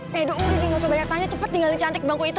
hai udah udah nggak usah banyak tanya cepet tinggalin cantik bangku itu